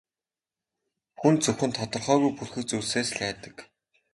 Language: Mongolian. Хүн зөвхөн тодорхойгүй бүрхэг зүйлсээс л айдаг.